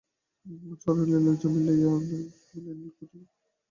চরে নীলের জমি লইয়া প্রজাদের সহিত নীলকুঠির বিরোধের অন্ত নাই।